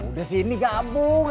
udah sini gabung